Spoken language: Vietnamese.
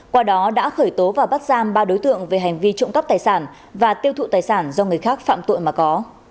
qua đó đã khởi tố và bắt giam ba đối tượng về hành vi trộm cắp tài sản và tiêu thụ tài sản do người khác phạm tội mà có